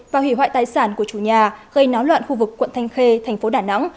và hủy hoại tài sản của chủ nhà gây náo loạn khu vực quận thanh khê thành phố đà nẵng